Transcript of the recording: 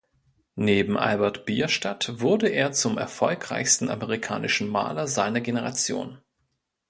Neben Albert Bierstadt wurde er zum erfolgreichsten amerikanischen Maler seiner Generation.